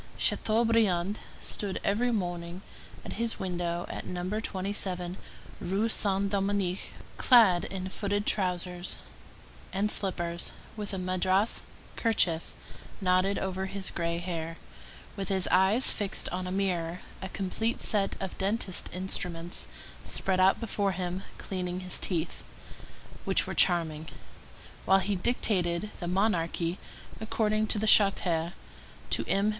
Chateaubriand stood every morning at his window at No. 27 Rue Saint Dominique, clad in footed trousers, and slippers, with a madras kerchief knotted over his gray hair, with his eyes fixed on a mirror, a complete set of dentist's instruments spread out before him, cleaning his teeth, which were charming, while he dictated The Monarchy according to the Charter to M.